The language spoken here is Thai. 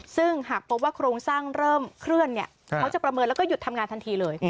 ซึ่งหากพบว่าโครงสร้างเริ่มเคลื่อนเนี่ยเขาจะประเมินแล้วก็หยุดทำงานทันทีเลย